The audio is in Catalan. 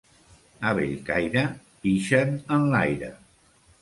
A Bellcaire pixen enlaire.